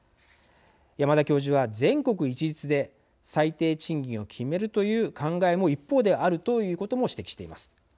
山田教授は全国一律で最低賃金を決めるという考えも一方であると指摘しています。